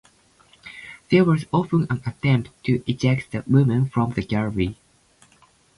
There was often an attempt to eject the women from the gallery.